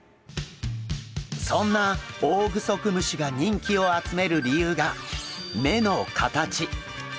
そんなオオグソクムシが人気を集める理由が目の形。